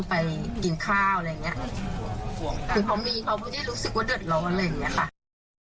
ไปกินข้าวอะไรอย่างเงี้ยคือเขามีเขาไม่ได้รู้สึกว่าเดือดร้อนอะไรอย่างเงี้ยค่ะ